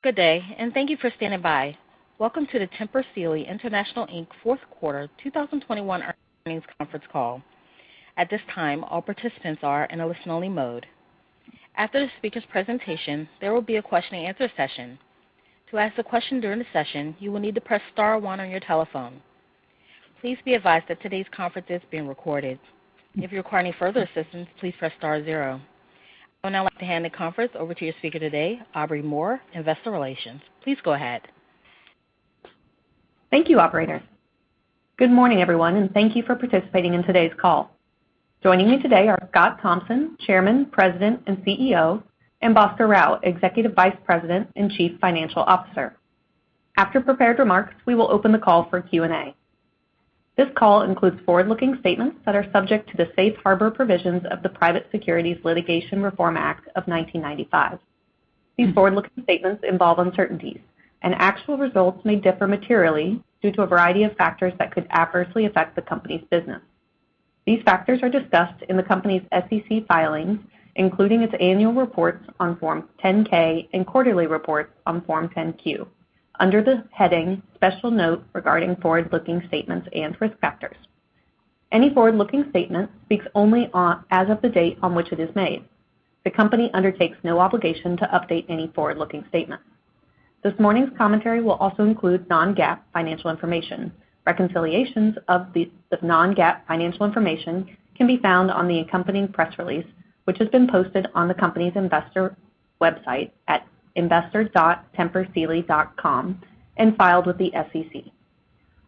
Good day, and thank you for standing by. Welcome to the Tempur Sealy International, Inc. fourth quarter 2021 earnings conference call. At this time, all participants are in a listen-only mode. After the speaker's presentation, there will be a question-and-answer session. To ask a question during the session, you will need to press star one on your telephone. Please be advised that today's conference is being recorded. If you require any further assistance, please press star zero. I would now like to hand the conference over to your speaker today, Aubrey Moore, Investor Relations. Please go ahead. Thank you, operator. Good morning, everyone, and thank you for participating in today's call. Joining me today are Scott Thompson, Chairman, President, and CEO, and Bhaskar Rao, Executive Vice President and Chief Financial Officer. After prepared remarks, we will open the call for Q&A. This call includes forward-looking statements that are subject to the safe harbor provisions of the Private Securities Litigation Reform Act of 1995. These forward-looking statements involve uncertainties, and actual results may differ materially due to a variety of factors that could adversely affect the company's business. These factors are discussed in the company's SEC filings, including its annual reports on Form 10-K and quarterly reports on Form 10-Q, under the heading Special Note Regarding Forward-Looking Statements and Risk Factors. Any forward-looking statement speaks only as of the date on which it is made. The company undertakes no obligation to update any forward-looking statement. This morning's commentary will also include non-GAAP financial information. Reconciliations of these non-GAAP financial information can be found on the accompanying press release, which has been posted on the company's investor website at investor.tempursealy.com and filed with the SEC.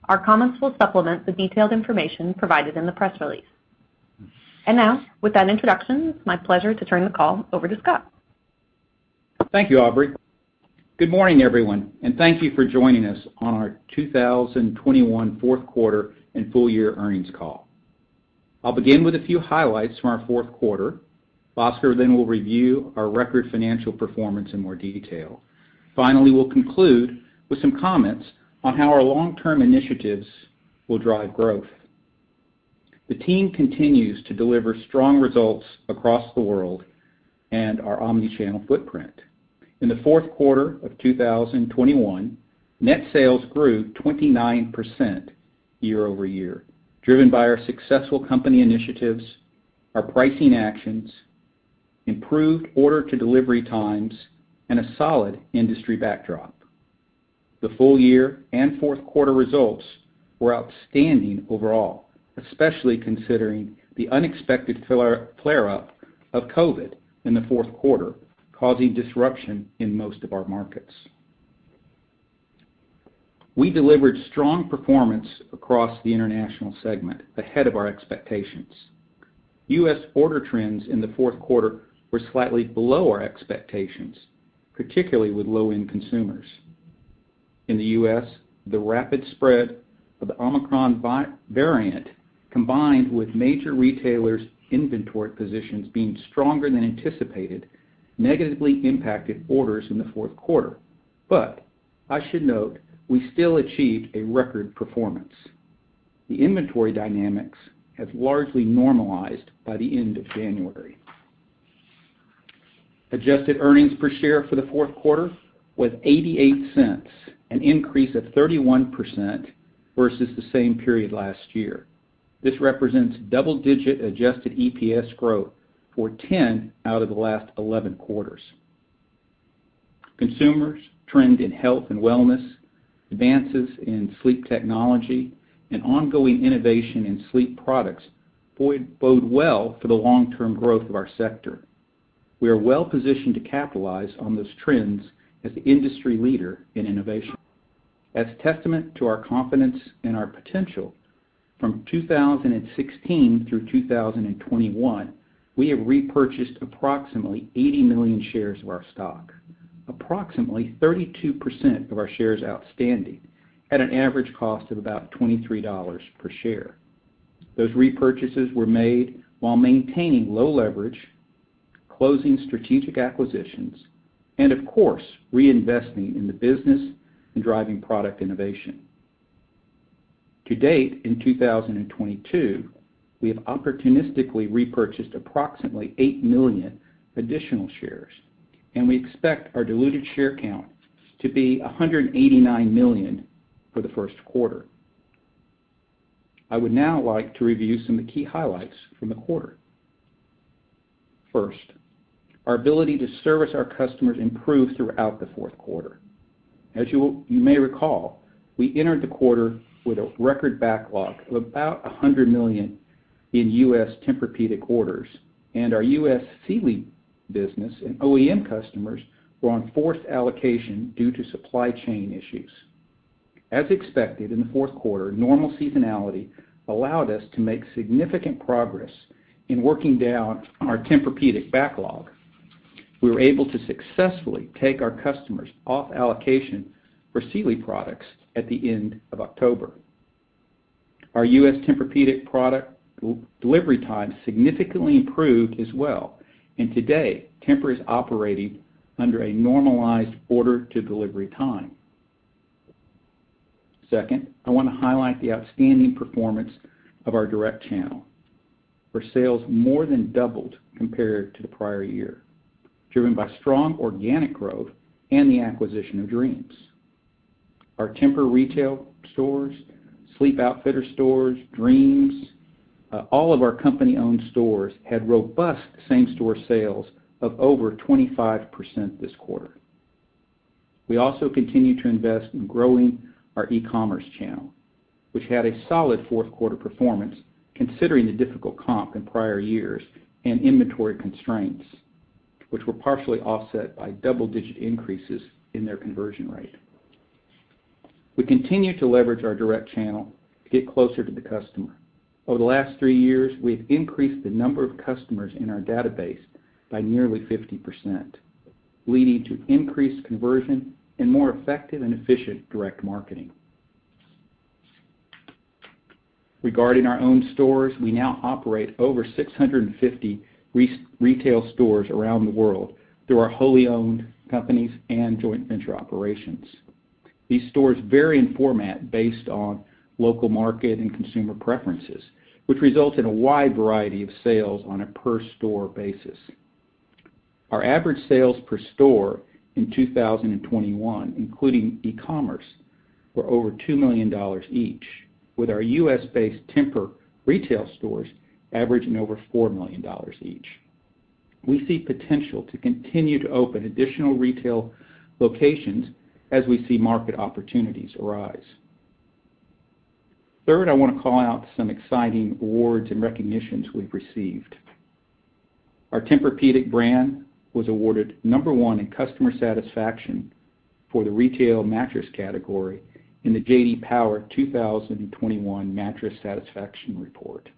Our comments will supplement the detailed information provided in the press release. Now, with that introduction, it's my pleasure to turn the call over to Scott. Thank you, Aubrey. Good morning, everyone, and thank you for joining us on our 2021 fourth quarter and full year earnings call. I'll begin with a few highlights from our fourth quarter. Bhaskar then will review our record financial performance in more detail. Finally, we'll conclude with some comments on how our long-term initiatives will drive growth. The team continues to deliver strong results across the world and our omni-channel footprint. In the fourth quarter of 2021, net sales grew 29% year-over-year, driven by our successful company initiatives, our pricing actions, improved order-to-delivery times, and a solid industry backdrop. The full year and fourth quarter results were outstanding overall, especially considering the unexpected flare-up of COVID in the fourth quarter, causing disruption in most of our markets. We delivered strong performance across the International segment ahead of our expectations. U.S. order trends in the fourth quarter were slightly below our expectations, particularly with low-end consumers. In the U.S., the rapid spread of the Omicron variant, combined with major retailers' inventory positions being stronger than anticipated, negatively impacted orders in the fourth quarter. But I should note, we still achieved a record performance. The inventory dynamics have largely normalized by the end of January. Adjusted earnings per share for the fourth quarter was $0.88, an increase of 31% versus the same period last year. This represents double-digit adjusted EPS growth for 10 out of the last 11 quarters. Consumers' trend in health and wellness, advances in sleep technology, and ongoing innovation in sleep products bode well for the long-term growth of our sector. We are well positioned to capitalize on those trends as the industry leader in innovation. As testament to our confidence in our potential, from 2016 through 2021, we have repurchased approximately 80 million shares of our stock, approximately 32% of our shares outstanding, at an average cost of about $23 per share. Those repurchases were made while maintaining low leverage, closing strategic acquisitions, and of course, reinvesting in the business and driving product innovation. To date, in 2022, we have opportunistically repurchased approximately 8 million additional shares, and we expect our diluted share count to be 189 million for the first quarter. I would now like to review some of the key highlights from the quarter. First, our ability to service our customers improved throughout the fourth quarter. You may recall, we entered the quarter with a record backlog of about $100 million in U.S. Tempur-Pedic orders, and our U.S. Sealy business and OEM customers were on forced allocation due to supply chain issues. As expected, in the fourth quarter, normal seasonality allowed us to make significant progress in working down our Tempur-Pedic backlog. We were able to successfully take our customers off allocation for Sealy products at the end of October. Our U.S. Tempur-Pedic product delivery time significantly improved as well, and today, Tempur is operating under a normalized order-to-delivery time. Second, I wanna highlight the outstanding performance of our direct channel, where sales more than doubled compared to the prior year, driven by strong organic growth and the acquisition of Dreams. Our Tempur retail stores, Sleep Outfitters stores, Dreams, all of our company-owned stores had robust same-store sales of over 25% this quarter. We also continue to invest in growing our e-commerce channel, which had a solid fourth quarter performance considering the difficult comp in prior years and inventory constraints, which were partially offset by double-digit increases in their conversion rate. We continue to leverage our direct channel to get closer to the customer. Over the last three years, we've increased the number of customers in our database by nearly 50%, leading to increased conversion and more effective and efficient direct marketing. Regarding our own stores, we now operate over 650 retail stores around the world through our wholly owned companies and joint venture operations. These stores vary in format based on local market and consumer preferences, which result in a wide variety of sales on a per store basis. Our average sales per store in 2021, including e-commerce, were over $2 million each, with our U.S.-based Tempur retail stores averaging over $4 million each. We see potential to continue to open additional retail locations as we see market opportunities arise. Third, I wanna call out some exciting awards and recognitions we've received. Our Tempur-Pedic brand was awarded number one in customer satisfaction for the retail mattress category in the J.D. Power 2021 Mattress Satisfaction Report.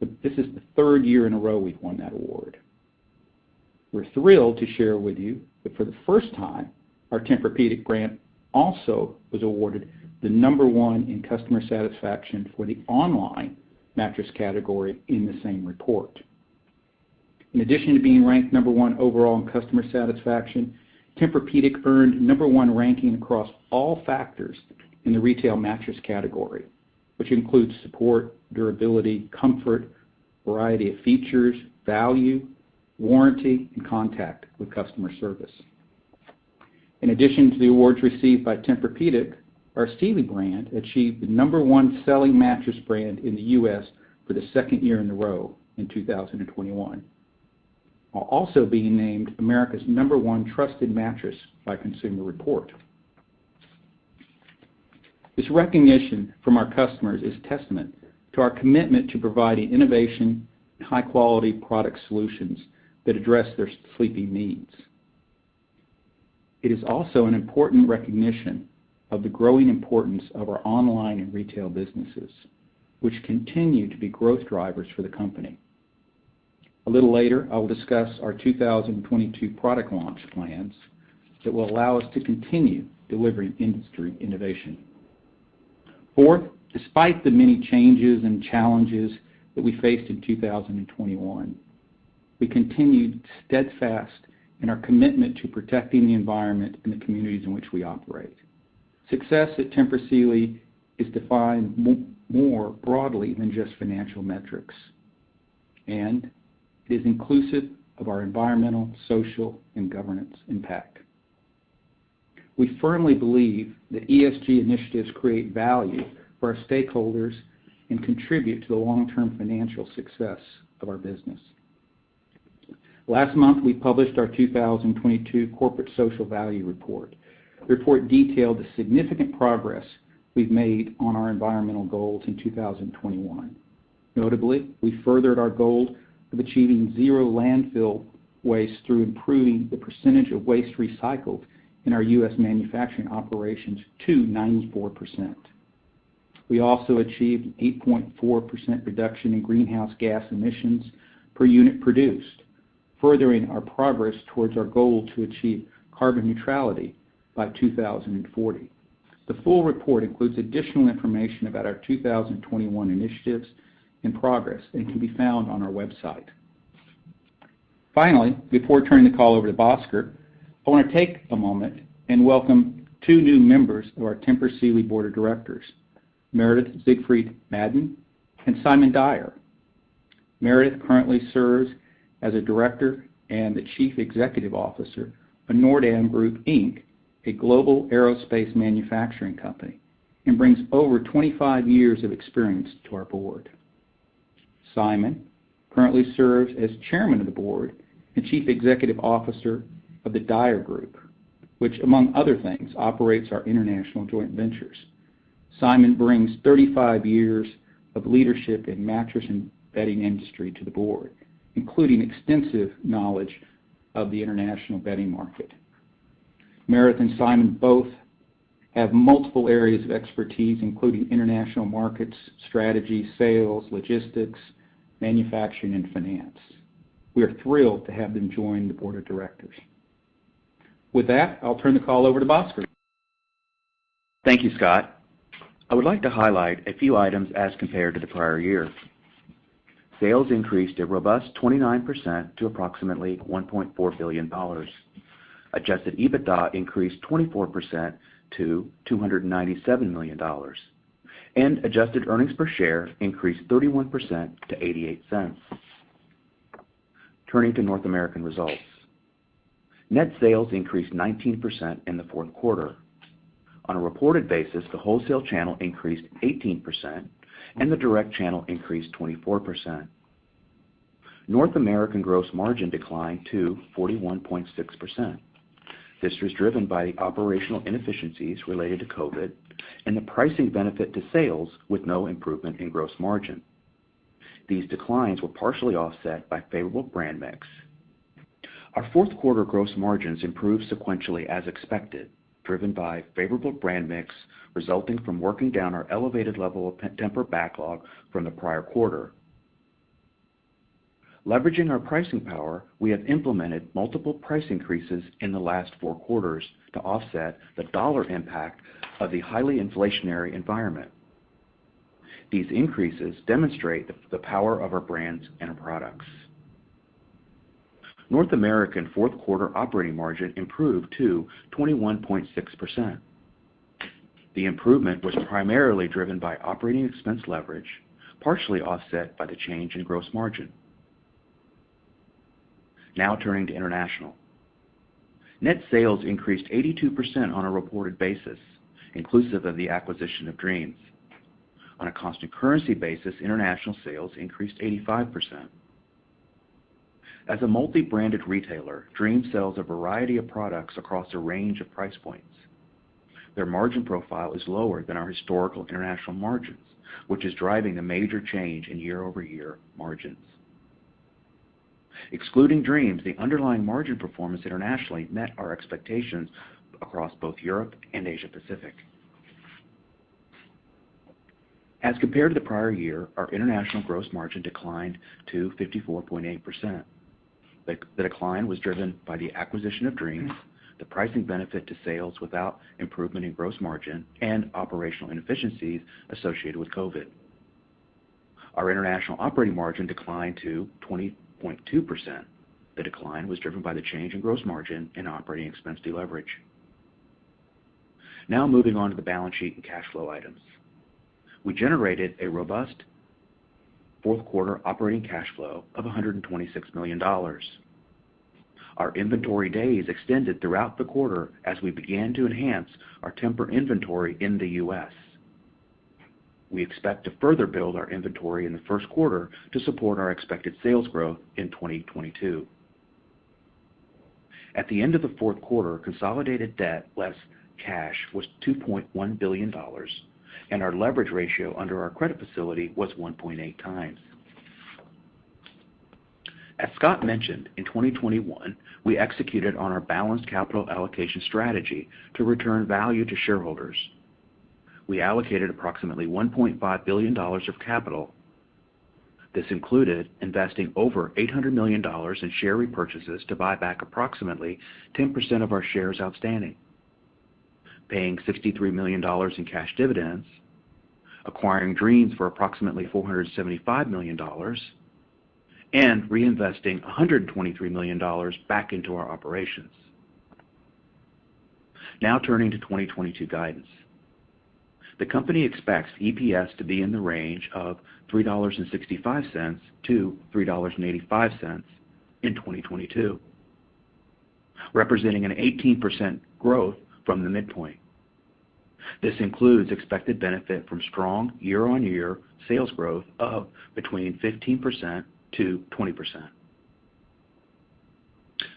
This is the third year in a row we've won that award. We're thrilled to share with you that for the first time, our Tempur-Pedic brand also was awarded No. 1 in customer satisfaction for the online mattress category in the same report. In addition to being ranked No. 1 overall in customer satisfaction, Tempur-Pedic earned No. 1 ranking across all factors in the retail mattress category, which includes support, durability, comfort, variety of features, value, warranty, and contact with customer service. In addition to the awards received by Tempur-Pedic, our Sealy brand achieved the No. 1 selling mattress brand in the U.S. for the second year in a row in 2021, while also being named America's No. 1 trusted mattress by Consumer Reports. This recognition from our customers is testament to our commitment to providing innovation and high-quality product solutions that address their sleeping needs. It is also an important recognition of the growing importance of our online and retail businesses, which continue to be growth drivers for the company. A little later, I will discuss our 2022 product launch plans that will allow us to continue delivering industry innovation. Fourth, despite the many changes and challenges that we faced in 2021, we continued steadfast in our commitment to protecting the environment and the communities in which we operate. Success at Tempur Sealy is defined more broadly than just financial metrics and is inclusive of our environmental, social, and governance impact. We firmly believe that ESG initiatives create value for our stakeholders and contribute to the long-term financial success of our business. Last month, we published our 2022 corporate social value report. The report detailed the significant progress we've made on our environmental goals in 2021. Notably, we furthered our goal of achieving zero landfill waste through improving the percentage of waste recycled in our U.S. manufacturing operations to 94%. We also achieved an 8.4% reduction in greenhouse gas emissions per unit produced, furthering our progress towards our goal to achieve carbon neutrality by 2040. The full report includes additional information about our 2021 initiatives and progress and can be found on our website. Finally, before turning the call over to Bhaskar, I wanna take a moment and welcome two new members of our Tempur Sealy Board of Directors, Meredith Siegfried Madden and Simon Dyer. Meredith currently serves as a Director and the Chief Executive Officer of NORDAM Group, Inc., a global aerospace manufacturing company, and brings over 25 years of experience to our board. Simon currently serves as Chairman of the Board and Chief Executive Officer of the Dyer Group, which among other things, operates our international joint ventures. Simon brings 35 years of leadership in mattress and bedding industry to the board, including extensive knowledge of the international bedding market. Meredith and Simon both have multiple areas of expertise, including international markets, strategy, sales, logistics, manufacturing, and finance. We are thrilled to have them join the Board of Directors. With that, I'll turn the call over to Bhaskar. Thank you, Scott. I would like to highlight a few items as compared to the prior year. Sales increased a robust 29% to approximately $1.4 billion. Adjusted EBITDA increased 24% to $297 million, and adjusted earnings per share increased 31% to $0.88. Turning to North American results. Net sales increased 19% in the fourth quarter. On a reported basis, the wholesale channel increased 18% and the direct channel increased 24%. North American gross margin declined to 41.6%. This was driven by the operational inefficiencies related to COVID and the pricing benefit to sales, with no improvement in gross margin. These declines were partially offset by favorable brand mix. Our fourth quarter gross margins improved sequentially as expected, driven by favorable brand mix resulting from working down our elevated level of Tempur backlog from the prior quarter. Leveraging our pricing power, we have implemented multiple price increases in the last four quarters to offset the dollar impact of the highly inflationary environment. These increases demonstrate the power of our brands and our products. North American fourth quarter operating margin improved to 21.6%. The improvement was primarily driven by operating expense leverage, partially offset by the change in gross margin. Now turning to international. Net sales increased 82% on a reported basis, inclusive of the acquisition of Dreams. On a constant currency basis, international sales increased 85%. As a multi-branded retailer, Dreams sells a variety of products across a range of price points. Their margin profile is lower than our historical international margins, which is driving a major change in year-over-year margins. Excluding Dreams, the underlying margin performance internationally met our expectations across both Europe and Asia Pacific. As compared to the prior year, our international gross margin declined to 54.8%. The decline was driven by the acquisition of Dreams, the pricing benefit to sales without improvement in gross margin, and operational inefficiencies associated with COVID. Our international operating margin declined to 20.2%. The decline was driven by the change in gross margin and operating expense deleverage. Now moving on to the balance sheet and cash flow items. We generated a robust fourth quarter operating cash flow of $126 million. Our inventory days extended throughout the quarter as we began to enhance our Tempur inventory in the U.S. We expect to further build our inventory in the first quarter to support our expected sales growth in 2022. At the end of the fourth quarter, consolidated debt less cash was $2.1 billion, and our leverage ratio under our credit facility was 1.8 times. As Scott mentioned, in 2021, we executed on our balanced capital allocation strategy to return value to shareholders. We allocated approximately $1.5 billion of capital. This included investing over $800 million in share repurchases to buy back approximately 10% of our shares outstanding, paying $63 million in cash dividends, acquiring Dreams for approximately $475 million, and reinvesting $123 million back into our operations. Now turning to 2022 guidance. The company expects EPS to be in the range of $3.65-$3.85 in 2022, representing an 18% growth from the midpoint. This includes expected benefit from strong year-on-year sales growth of between 15%-20%.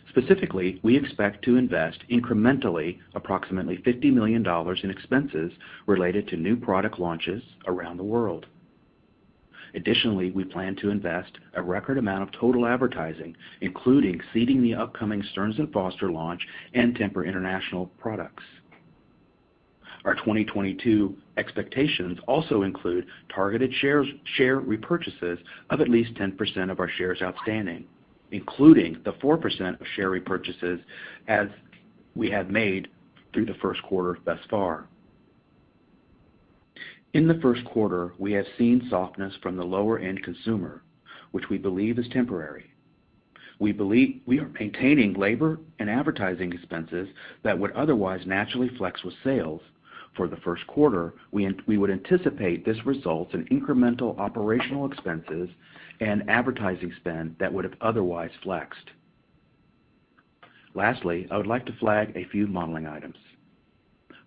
Specifically, we expect to invest incrementally approximately $50 million in expenses related to new product launches around the world. Additionally, we plan to invest a record amount of total advertising, including seeding the upcoming Stearns & Foster launch and Tempur International products. Our 2022 expectations also include targeted share repurchases of at least 10% of our shares outstanding, including the 4% of share repurchases as we have made through the first quarter thus far. In the first quarter, we have seen softness from the lower-end consumer, which we believe is temporary. We are maintaining labor and advertising expenses that would otherwise naturally flex with sales. For the first quarter, we would anticipate this results in incremental operational expenses and advertising spend that would have otherwise flexed. Lastly, I would like to flag a few modeling items.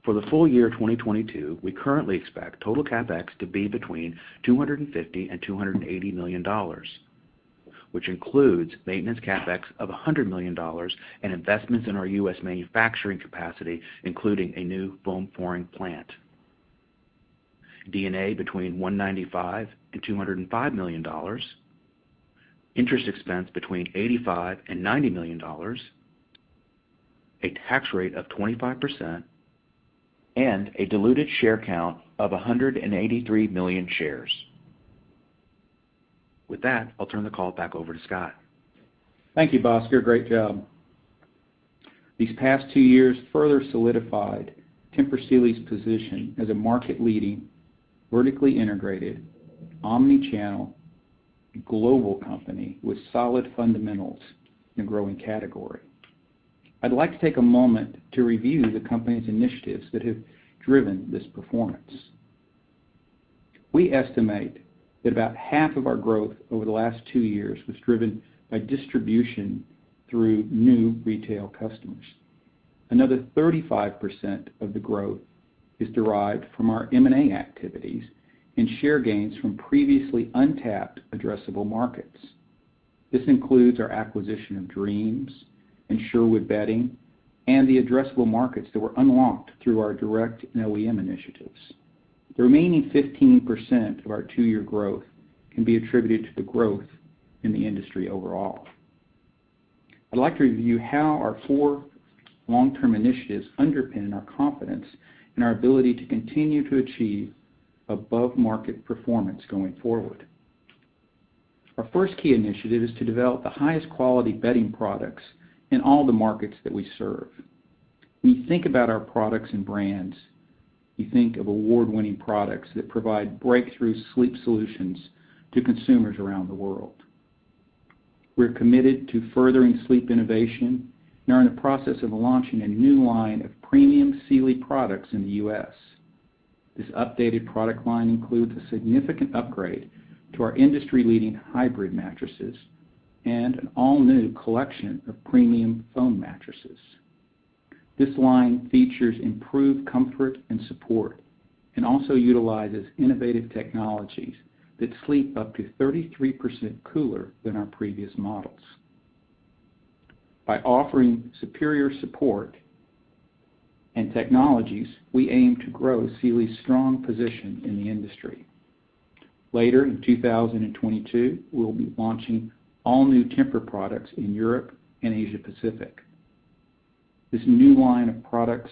For the full year 2022, we currently expect total CapEx to be between $250 million and $280 million, which includes maintenance CapEx of $100 million and investments in our U.S. manufacturing capacity, including a new foam forming plant. D&A between $195 million and $205 million, interest expense between $85 million and $90 million, a tax rate of 25%, and a diluted share count of 183 million shares. With that, I'll turn the call back over to Scott. Thank you, Bhaskar. Great job. These past two years further solidified Tempur Sealy's position as a market-leading, vertically integrated, omni-channel global company with solid fundamentals in a growing category. I'd like to take a moment to review the company's initiatives that have driven this performance. We estimate that about half of our growth over the last two years was driven by distribution through new retail customers. Another 35% of the growth is derived from our M&A activities and share gains from previously untapped addressable markets. This includes our acquisition of Dreams and Sherwood Bedding and the addressable markets that were unlocked through our direct and OEM initiatives. The remaining 15% of our two-year growth can be attributed to the growth in the industry overall. I'd like to review how our four long-term initiatives underpin our confidence in our ability to continue to achieve above-market performance going forward. Our first key initiative is to develop the highest quality bedding products in all the markets that we serve. When you think about our products and brands, you think of award-winning products that provide breakthrough sleep solutions to consumers around the world. We're committed to furthering sleep innovation and are in the process of launching a new line of premium Sealy products in the U.S. This updated product line includes a significant upgrade to our industry-leading hybrid mattresses and an all-new collection of premium foam mattresses. This line features improved comfort and support and also utilizes innovative technologies that sleep up to 33% cooler than our previous models. By offering superior support and technologies, we aim to grow Sealy's strong position in the industry. Later in 2022, we'll be launching all-new Tempur products in Europe and Asia Pacific. This new line of products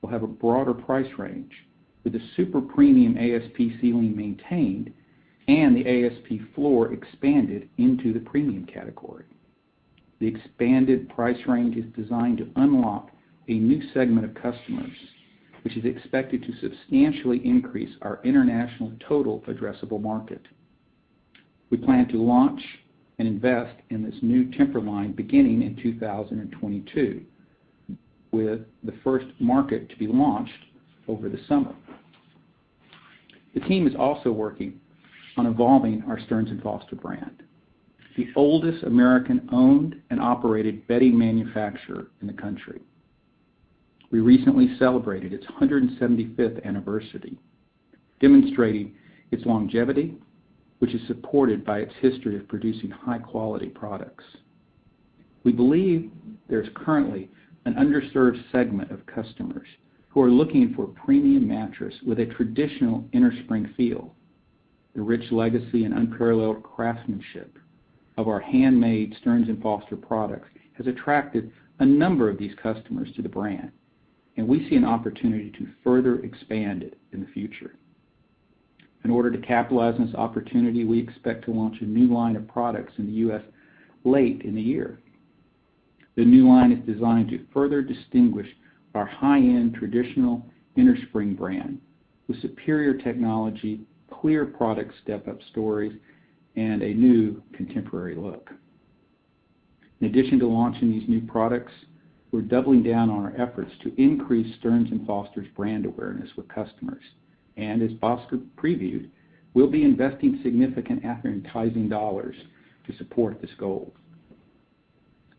will have a broader price range with a super premium ASP Sealy maintained and the ASP floor expanded into the premium category. The expanded price range is designed to unlock a new segment of customers, which is expected to substantially increase our international total addressable market. We plan to launch and invest in this new Tempur line beginning in 2022, with the first market to be launched over the summer. The team is also working on evolving our Stearns & Foster brand, the oldest American-owned and operated bedding manufacturer in the country. We recently celebrated its 175th anniversary, demonstrating its longevity, which is supported by its history of producing high-quality products. We believe there's currently an underserved segment of customers who are looking for a premium mattress with a traditional innerspring feel. The rich legacy and unparalleled craftsmanship of our handmade Stearns & Foster products has attracted a number of these customers to the brand, and we see an opportunity to further expand it in the future. In order to capitalize on this opportunity, we expect to launch a new line of products in the U.S. late in the year. The new line is designed to further distinguish our high-end traditional innerspring brand with superior technology, clear product step-up stories, and a new contemporary look. In addition to launching these new products, we're doubling down on our efforts to increase Stearns & Foster's brand awareness with customers. As Bhaskar previewed, we'll be investing significant advertising dollars to support this goal.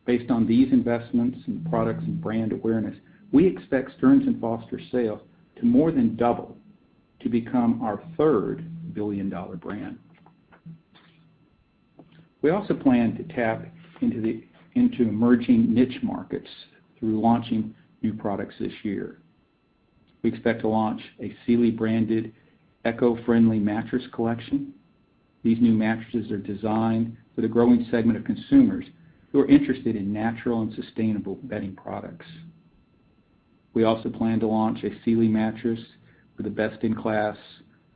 Based on these investments in products and brand awareness, we expect Stearns & Foster sales to more than double to become our third billion-dollar brand. We also plan to tap into emerging niche markets through launching new products this year. We expect to launch a Sealy-branded eco-friendly mattress collection. These new mattresses are designed for the growing segment of consumers who are interested in natural and sustainable bedding products. We also plan to launch a Sealy mattress with a best-in-class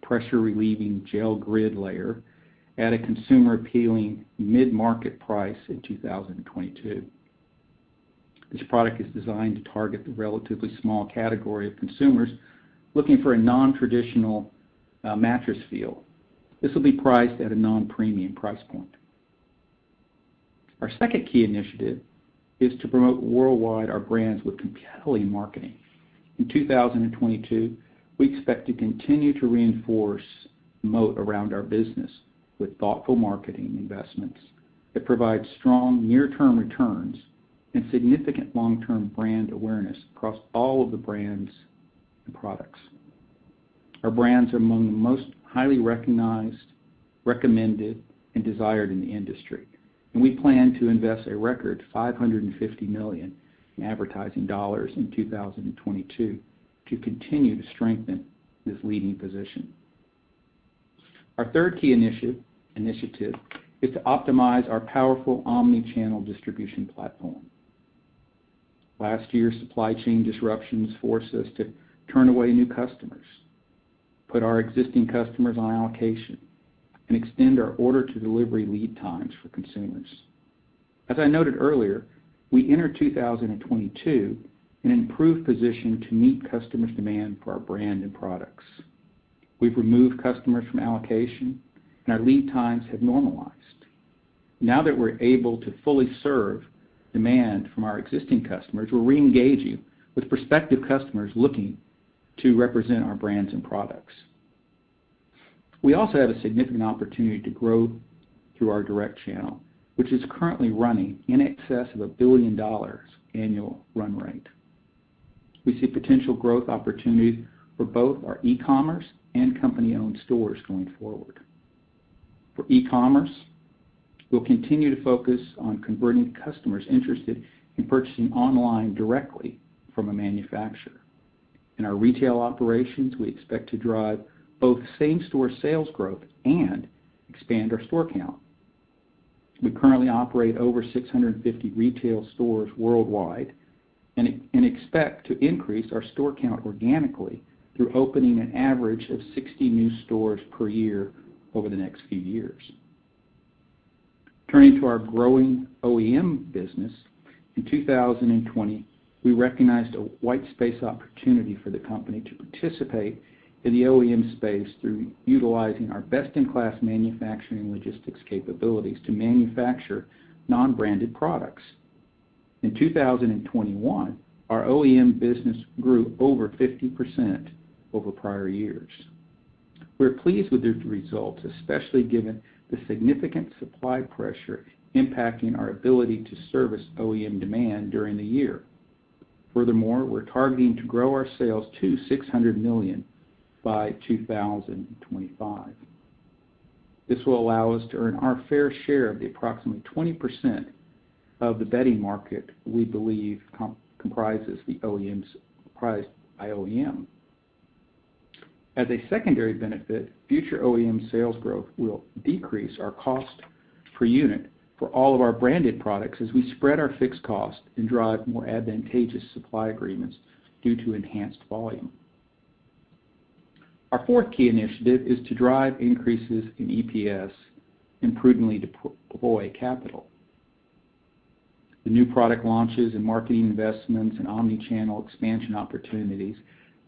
pressure-relieving gel grid layer at a consumer-appealing mid-market price in 2022. This product is designed to target the relatively small category of consumers looking for a non-traditional mattress feel. This will be priced at a non-premium price point. Our second key initiative is to promote worldwide our brands with compelling marketing. In 2022, we expect to continue to reinforce moat around our business with thoughtful marketing investments that provide strong near-term returns and significant long-term brand awareness across all of the brands and products. Our brands are among the most highly recognized, recommended, and desired in the industry, and we plan to invest a record $550 million in advertising dollars in 2022 to continue to strengthen this leading position. Our third key initiative is to optimize our powerful omni-channel distribution platform. Last year's supply chain disruptions forced us to turn away new customers, put our existing customers on allocation, and extend our order to delivery lead times for consumers. As I noted earlier, we entered 2022 in an improved position to meet customers' demand for our brand and products. We've removed customers from allocation, and our lead times have normalized. Now that we're able to fully serve demand from our existing customers, we're re-engaging with prospective customers looking to represent our brands and products. We also have a significant opportunity to grow through our direct channel, which is currently running in excess of $1 billion annual run rate. We see potential growth opportunities for both our e-commerce and company-owned stores going forward. For e-commerce, we'll continue to focus on converting customers interested in purchasing online directly from a manufacturer. In our retail operations, we expect to drive both same-store sales growth and expand our store count. We currently operate over 650 retail stores worldwide and expect to increase our store count organically through opening an average of 60 new stores per year over the next few years. Turning to our growing OEM business. In 2020, we recognized a white space opportunity for the company to participate in the OEM space through utilizing our best-in-class manufacturing logistics capabilities to manufacture non-branded products. In 2021, our OEM business grew over 50% over prior years. We're pleased with the results, especially given the significant supply pressure impacting our ability to service OEM demand during the year. Furthermore, we're targeting to grow our sales to $600 million by 2025. This will allow us to earn our fair share of the approximately 20% of the bedding market we believe comprises the OEMs priced by OEM. As a secondary benefit, future OEM sales growth will decrease our cost per unit for all of our branded products as we spread our fixed cost and drive more advantageous supply agreements due to enhanced volume. Our fourth key initiative is to drive increases in EPS and prudently deploy capital. The new product launches and marketing investments and omni-channel expansion opportunities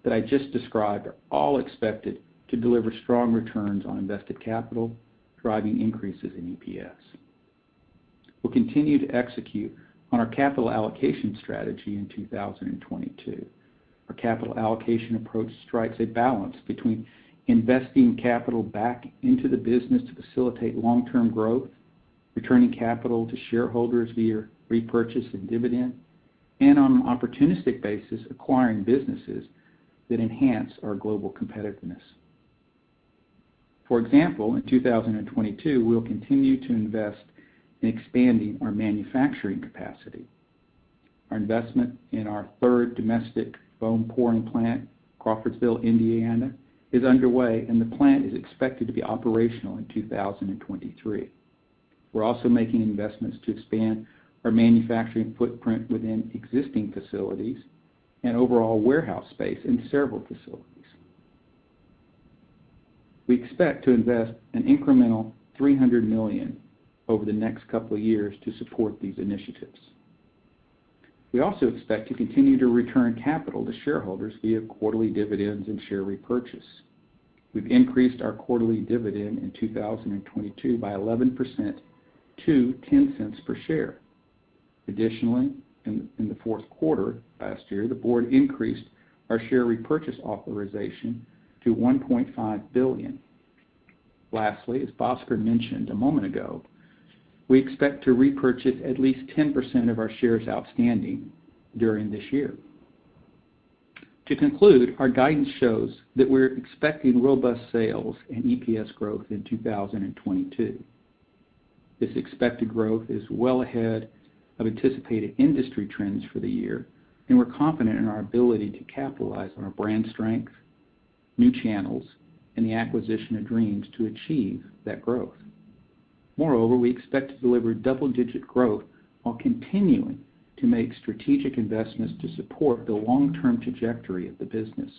that I just described are all expected to deliver strong returns on invested capital, driving increases in EPS. We'll continue to execute on our capital allocation strategy in 2022. Our capital allocation approach strikes a balance between investing capital back into the business to facilitate long-term growth, returning capital to shareholders via repurchase and dividend, and on an opportunistic basis, acquiring businesses that enhance our global competitiveness. For example, in 2022, we'll continue to invest in expanding our manufacturing capacity. Our investment in our third domestic foam pouring plant, Crawfordsville, Indiana, is underway, and the plant is expected to be operational in 2023. We're also making investments to expand our manufacturing footprint within existing facilities and overall warehouse space in several facilities. We expect to invest an incremental $300 million over the next couple of years to support these initiatives. We also expect to continue to return capital to shareholders via quarterly dividends and share repurchase. We've increased our quarterly dividend in 2022 by 11% to $0.10 per share. Additionally, in the fourth quarter last year, the board increased our share repurchase authorization to $1.5 billion. Lastly, as Bhaskar mentioned a moment ago, we expect to repurchase at least 10% of our shares outstanding during this year. To conclude, our guidance shows that we're expecting robust sales and EPS growth in 2022. This expected growth is well ahead of anticipated industry trends for the year, and we're confident in our ability to capitalize on our brand strength, new channels, and the acquisition of Dreams to achieve that growth. Moreover, we expect to deliver double-digit growth while continuing to make strategic investments to support the long-term trajectory of the business,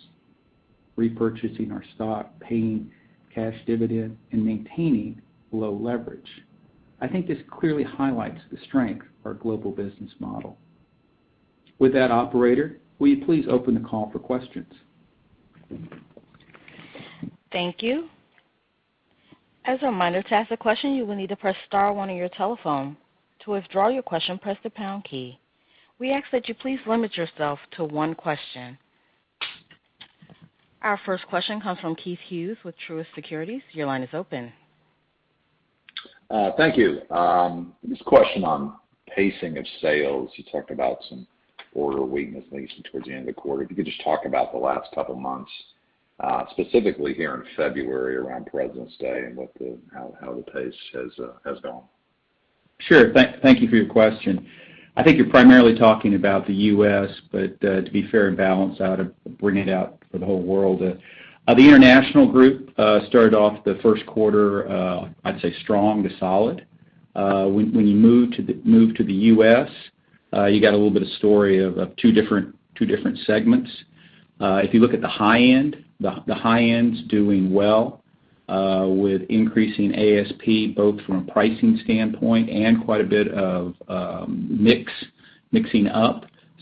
repurchasing our stock, paying cash dividend, and maintaining low leverage. I think this clearly highlights the strength of our global business model. With that, operator, will you please open the call for questions? Thank you. As a reminder, to ask a question, you will need to press star one on your telephone. To withdraw your question, press the pound key. We ask that you please limit yourself to one question. Our first question comes from Keith Hughes with Truist Securities. Your line is open. Thank you. Just a question on pacing of sales. You talked about some order weakness, at least towards the end of the quarter. If you could just talk about the last couple of months, specifically here in February around Presidents' Day and how the pace has gone. Sure. Thank you for your question. I think you're primarily talking about the U.S., but to be fair and balanced, I ought to bring it out for the whole world. The international group started off the first quarter, I'd say strong to solid. When you move to the U.S., you got a little bit of story of two different segments. If you look at the high end, the high end's doing well with increasing ASP, both from a pricing standpoint and quite a bit of mix.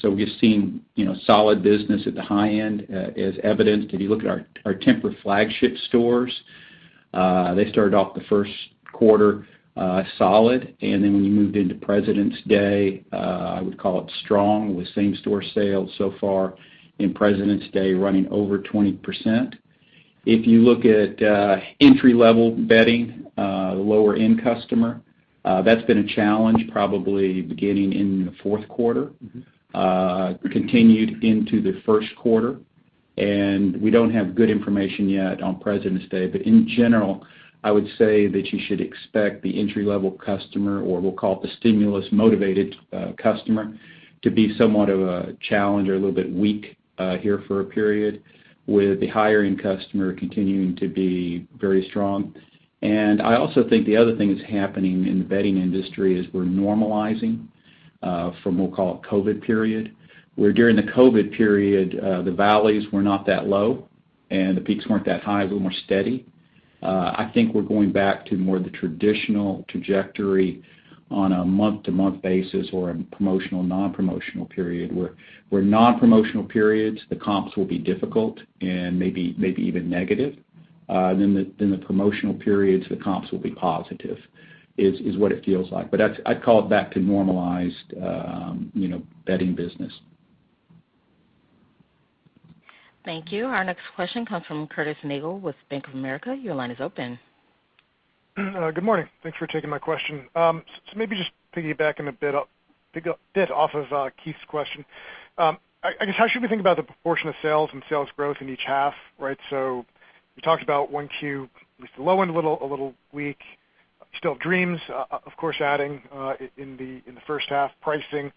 We've seen, you know, solid business at the high end as evidenced. If you look at our Tempur flagship stores, they started off the first quarter solid. When you moved into Presidents' Day, I would call it strong with same-store sales so far in Presidents' Day running over 20%. If you look at entry-level bedding, the lower-end customer, that's been a challenge probably beginning in the fourth quarter. Mm-hmm. Continued into the first quarter. We don't have good information yet on Presidents' Day, but in general, I would say that you should expect the entry-level customer or we'll call it the stimulus motivated customer to be somewhat of a challenge or a little bit weak here for a period with the higher end customer continuing to be very strong. I also think the other thing that's happening in the bedding industry is we're normalizing from we'll call it COVID period, where during the COVID period the valleys were not that low and the peaks weren't that high, a little more steady. I think we're going back to more the traditional trajectory on a month-to-month basis or a promotional, non-promotional period where non-promotional periods, the comps will be difficult and maybe even negative. The promotional periods, the comps will be positive, is what it feels like. That's. I'd call it back to normalized, you know, bedding business. Thank you. Our next question comes from Curtis Nagle with Bank of America. Your line is open. Good morning. Thanks for taking my question. Maybe just piggyback a bit off of Keith's question. I guess, how should we think about the proportion of sales and sales growth in each half, right? You talked about 1Q was the low end, a little weak. Still Dreams, of course, adding in the first half pricing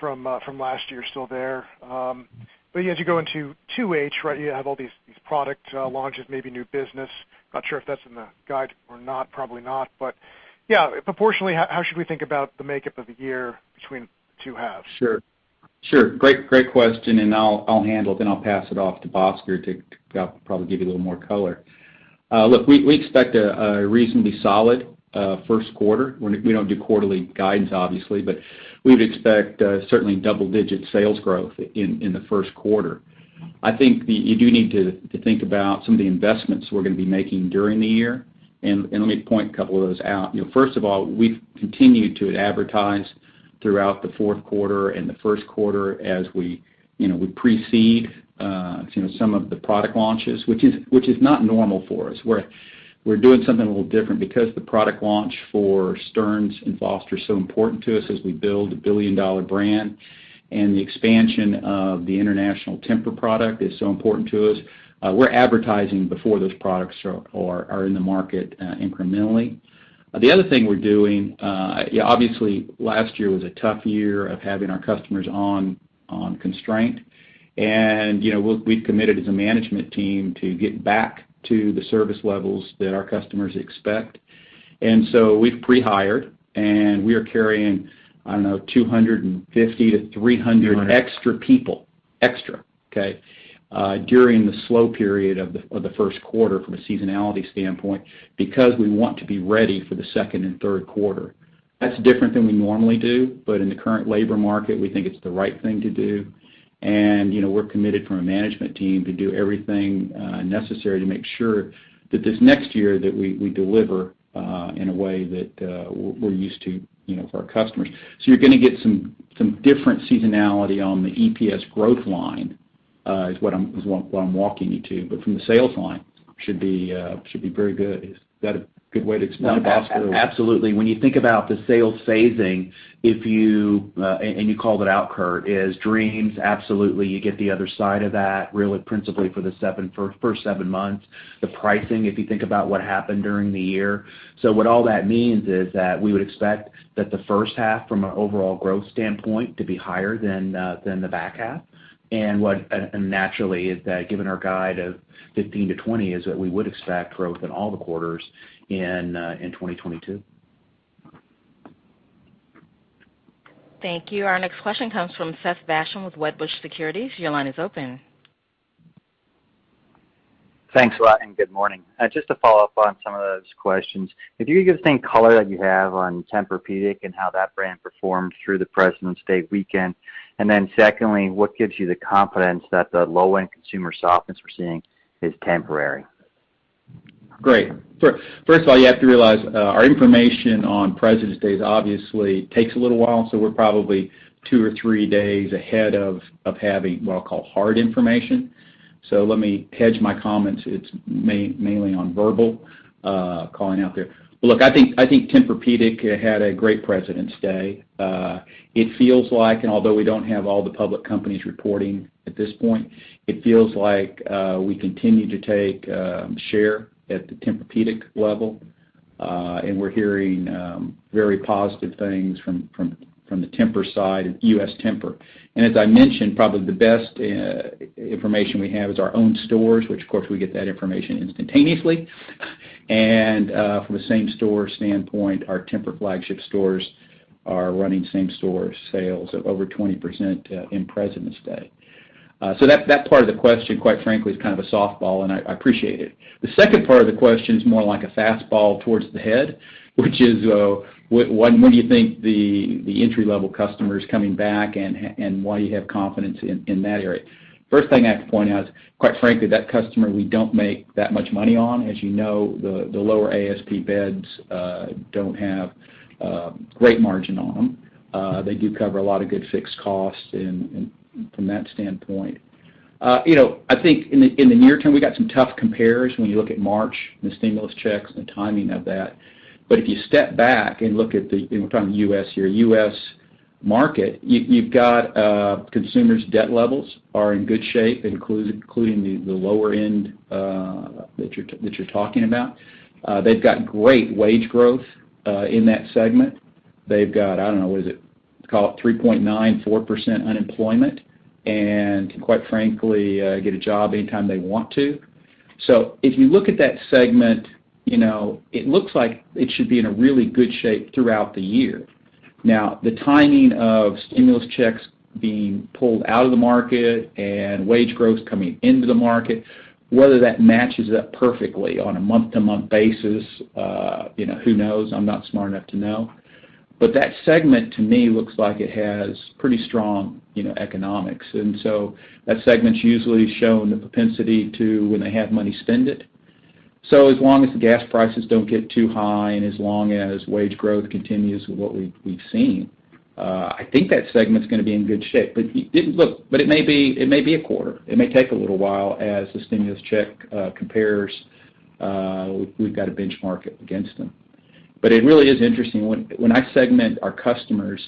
from last year is still there. As you go into 2H, right, you have all these product launches, maybe new business. Not sure if that's in the guide or not, probably not. But, yeah, proportionally, how should we think about the makeup of the year between two halves? Sure. Great question, and I'll handle it, then I'll pass it off to Bhaskar to probably give you a little more color. Look, we expect a reasonably solid first quarter. We don't do quarterly guidance, obviously, but we'd expect certainly double-digit sales growth in the first quarter. I think you do need to think about some of the investments we're gonna be making during the year and let me point a couple of those out. You know, first of all, we've continued to advertise throughout the fourth quarter and the first quarter as we, you know, we precede some of the product launches, which is not normal for us. We're doing something a little different because the product launch for Stearns & Foster is so important to us as we build a billion-dollar brand, and the expansion of the international Tempur product is so important to us. We're advertising before those products are in the market, incrementally. The other thing we're doing, obviously, last year was a tough year of having our customers on constraint. You know, we've committed as a management team to get back to the service levels that our customers expect. We've pre-hired and we are carrying, I don't know, 250-300 extra people during the slow period of the first quarter from a seasonality standpoint because we want to be ready for the second and third quarter. That's different than we normally do, but in the current labor market, we think it's the right thing to do. You know, we're committed from a management team to do everything necessary to make sure that this next year that we deliver in a way that we're used to, you know, for our customers. You're gonna get some different seasonality on the EPS growth line, is what I'm walking you through. From the sales line should be very good. Is that a good way to explain it, Bhaskar? Absolutely. When you think about the sales phasing, and you called it out, Curt, it's Dreams. Absolutely, you get the other side of that really principally for the first seven months. The pricing, if you think about what happened during the year. What all that means is that we would expect the first half from an overall growth standpoint to be higher than the back half. And naturally, given our guide of 15%-20%, that we would expect growth in all the quarters in 2022. Thank you. Our next question comes from Seth Basham with Wedbush Securities. Your line is open. Thanks a lot and good morning. Just to follow up on some of those questions. If you could give the same color that you have on Tempur-Pedic and how that brand performed through the Presidents' Day weekend? Secondly, what gives you the confidence that the low-end consumer softness we're seeing is temporary? Great. First of all, you have to realize, our information on Presidents' Day obviously takes a little while, so we're probably two or three days ahead of having what I'll call hard information. So, let me hedge my comments. It's mainly on verbal calling out there. Look, I think Tempur-Pedic had a great Presidents' Day. It feels like, although we don't have all the public companies reporting at this point, it feels like we continue to take share at the Tempur-Pedic level. We're hearing very positive things from the Tempur side, U.S. Tempur. As I mentioned, probably the best information we have is our own stores, which of course we get that information instantaneously. And from a same store standpoint, our Tempur flagship stores are running same store sales of over 20% in Presidents' Day. That part of the question, quite frankly, is kind of a softball, and I appreciate it. The second part of the question is more like a fastball towards the head, which is, when do you think the entry-level customer's coming back and why you have confidence in that area? First thing I'd point out, quite frankly, that customer we don't make that much money on. As you know, the lower ASP beds don't have great margin on them. They do cover a lot of good fixed costs in from that standpoint. You know, I think in the near term we got some tough compares when you look at March and the stimulus checks and the timing of that. If you step back and look at the, you know, we're talking the U.S. here, U.S. market, you've got consumers' debt levels are in good shape, including the lower end that you're talking about. They've got great wage growth in that segment. They've got, I don't know, what is it, call it 3.9%-4% unemployment, and quite frankly, get a job any time they want to. If you look at that segment, you know, it looks like it should be in a really good shape throughout the year. Now, the timing of stimulus checks being pulled out of the market and wage growth coming into the market, whether that matches up perfectly on a month-to-month basis, you know, who knows? I'm not smart enough to know. That segment to me looks like it has pretty strong, you know, economics. And so, that segment's usually shown the propensity to, when they have money, spend it. As long as the gas prices don't get too high and as long as wage growth continues with what we've seen, I think that segment's gonna be in good shape. It may be a quarter. It may take a little while as the stimulus check compares, we've got to benchmark it against them. It really is interesting. When I segment our customers,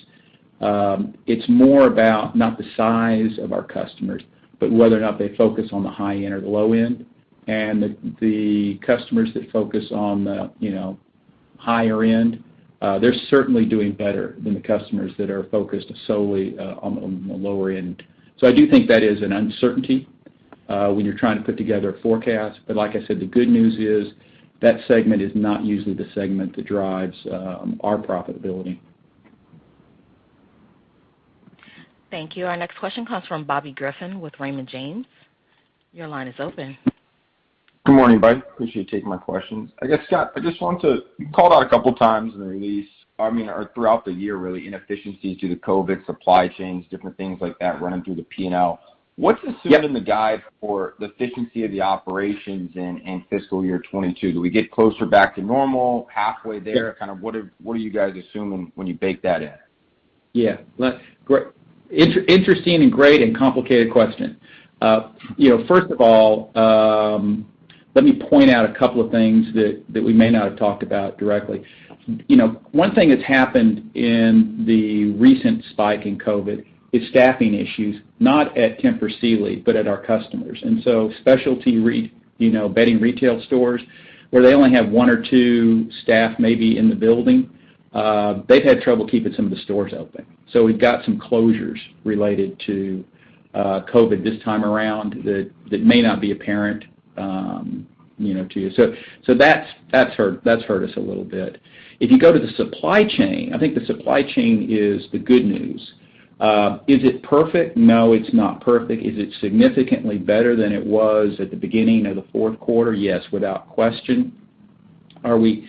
it's more about not the size of our customers, but whether or not they focus on the high end or the low end. And the customers that focus on the higher end, you know, they're certainly doing better than the customers that are focused solely on the lower end. I do think that is an uncertainty when you're trying to put together a forecast. Like I said, the good news is that segment is not usually the segment that drives our profitability. Thank you. Our next question comes from Bobby Griffin with Raymond James. Your line is open. Good morning, buddy. Appreciate you taking my questions. I guess, Scott, I just wanted to. You called out a couple of times in the release, I mean, or throughout the year really, inefficiencies due to COVID, supply chains, different things like that running through the P&L. Yep. What's assumed in the guidance for the efficiency of the operations in fiscal year 2022? Do we get closer back to normal, halfway there? Sure. Kind of what are you guys assuming when you bake that in? Interesting and great and complicated question. You know, first of all, let me point out a couple of things that we may not have talked about directly. You know, one thing that's happened in the recent spike in COVID is staffing issues, not at Tempur Sealy, but at our customers. And so, Specialty bedding retail stores where they only have one or two staff maybe in the building, they've had trouble keeping some of the stores open. So we've got some closures related to COVID this time around that may not be apparent, you know, to you. So that's hurt us a little bit. If you go to the supply chain, I think the supply chain is the good news. Is it perfect? No, it's not perfect. Is it significantly better than it was at the beginning of the fourth quarter? Yes, without question. Are we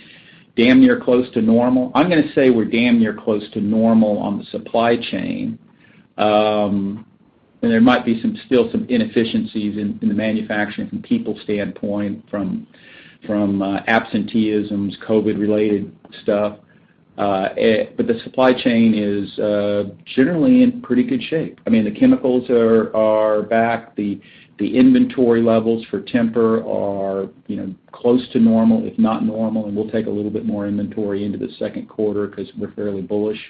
damn near close to normal? I'm gonna say we're damn near close to normal on the supply chain. There might be still some inefficiencies in the manufacturing from people standpoint from absenteeism, COVID-related stuff. But the supply chain is generally in pretty good shape. I mean, the chemicals are back. The inventory levels for Tempur are, you know, close to normal, if not normal, and we'll take a little bit more inventory into the second quarter because we're fairly bullish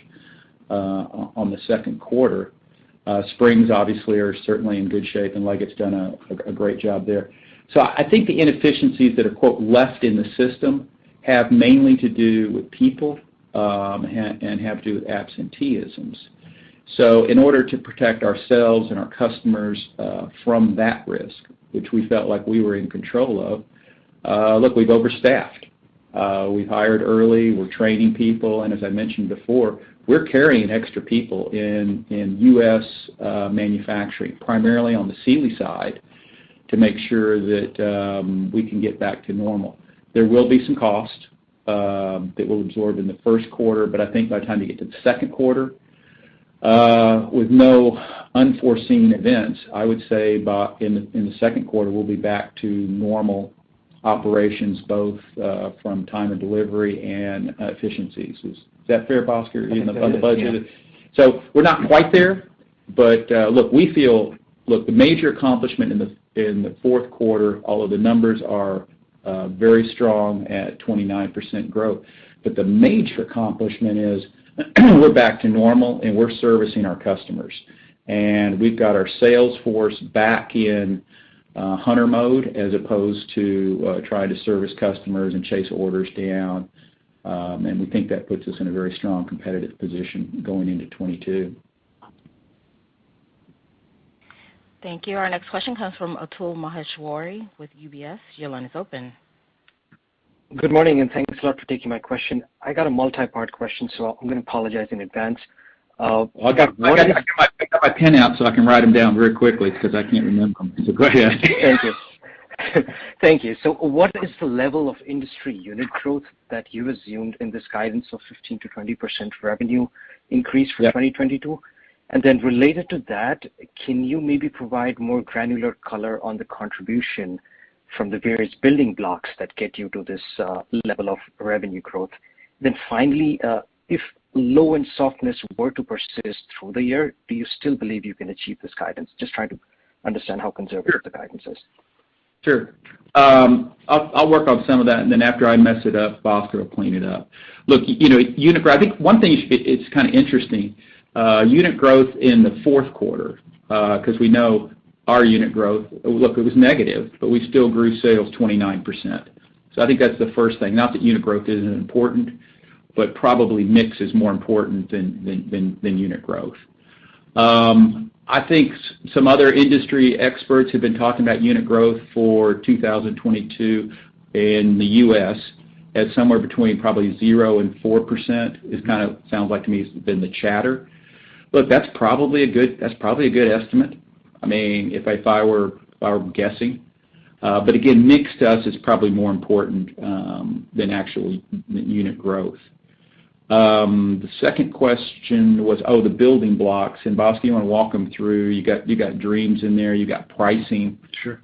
on the second quarter. Springs obviously are certainly in good shape, and Leggett's done a great job there. I think the inefficiencies that are, quote, "left in the system" have mainly to do with people and have to do with absences. In order to protect ourselves and our customers from that risk, which we felt like we were in control of, look, we've overstaffed. We've hired early. We're training people, and as I mentioned before, we're carrying extra people in U.S. manufacturing, primarily on the Sealy side, to make sure that we can get back to normal. There will be some cost that we'll absorb in the first quarter, but I think by the time you get to the second quarter, with no unforeseen events, I would say about in the second quarter we'll be back to normal operations both from time of delivery and efficiencies. Is that fair, Bhaskar? I think that is. On the budget? Yeah. We're not quite there, but look, the major accomplishment in the fourth quarter, although the numbers are very strong at 29% growth, but the major accomplishment is we're back to normal and we're servicing our customers and we've got our sales force back in hunter mode as opposed to trying to service customers and chase orders down. We think that puts us in a very strong competitive position going into 2022. Thank you. Our next question comes from Atul Maheshwari with UBS. Your line is open. Good morning, and thanks a lot for taking my question. I got a multi-part question, so I'm gonna apologize in advance. What is- I got my pen out so I can write them down very quickly because I can't remember them. Go ahead. Thank you. What is the level of industry unit growth that you assumed in this guidance of 15%-20% revenue increase for 2022? Yeah. Related to that, can you maybe provide more granular color on the contribution from the various building blocks that get you to this level of revenue growth? Finally, if low-end softness were to persist through the year, do you still believe you can achieve this guidance? Just trying to understand how conservative the guidance is. Sure. I'll work on some of that, and then after I mess it up, Bhaskar will clean it up. Look, you know, unit growth. I think one thing you should get it's kind of interesting, unit growth in the fourth quarter, 'cause we know our unit growth. Look, it was negative, but we still grew sales 29%. I think that's the first thing. Not that unit growth isn't important, but probably mix is more important than unit growth. I think some other industry experts have been talking about unit growth for 2022 in the U.S. at somewhere between probably 0% and 4%. It kind of sounds like to me it's been the chatter. Look, that's probably a good estimate. I mean, if I were guessing. Again, mix to us is probably more important than actual unit growth. The second question was the building blocks. Bhaskar, you wanna walk them through? You got Dreams in there, you got pricing- Sure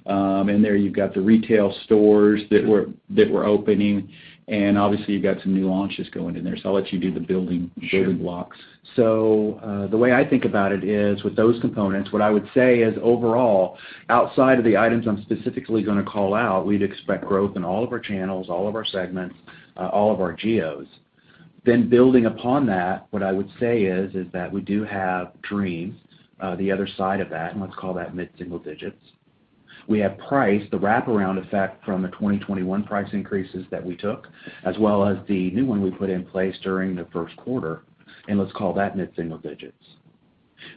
in there, you've got the retail stores that were opening, and obviously, you've got some new launches going in there. I'll let you do the building. Sure building blocks. So the way I think about it is, with those components, what I would say is, overall, outside of the items I'm specifically gonna call out, we'd expect growth in all of our channels, all of our segments, all of our geos. Building upon that, what I would say is that we do have Dreams, the other side of that, and let's call that mid-single digits. We have price, the wraparound effect from the 2021 price increases that we took, as well as the new one we put in place during the first quarter, and let's call that mid-single digits.